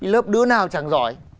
lớp đứa nào chẳng giỏi